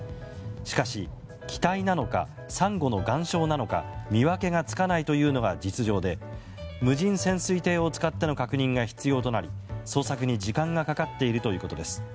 しかし、機体なのかサンゴの岩礁なのか見分けがつかないというのが実情で無人潜水艇を使っての確認が必要となり捜索に時間がかかっているということです。